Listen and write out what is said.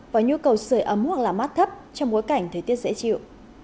và nhu cầu sửa ấm hoặc là mát thấp trong bối cảnh thời tiết dễ chịu